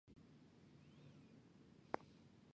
娇生花形介为粗面介科花形介属下的一个种。